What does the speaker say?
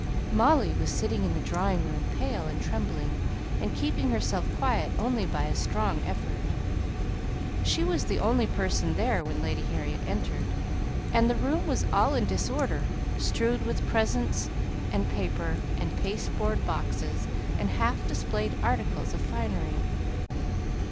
Molly was sitting in the drawing room pale and trembling, and keeping herself quiet only by a strong effort. She was the only person there when Lady Harriet entered: the room was all in disorder, strewed with presents and paper, and pasteboard boxes, and half displayed articles of finery.